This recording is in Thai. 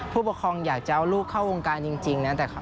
ผู้ปกครองอยากจะเอาลูกเข้าวงการจริงนะ